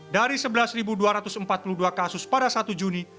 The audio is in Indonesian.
dari sebelas dua ratus empat puluh dua kasus pada satu juni